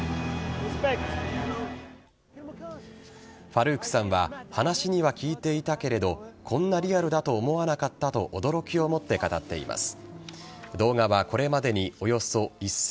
ファルークさんは話には聞いていたけれどこんなリアルだと思わなかったと驚きをもって語っています。